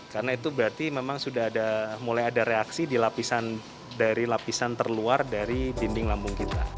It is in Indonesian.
karena itu berarti memang sudah mulai ada reaksi di lapisan terluar dari dinding lambung kita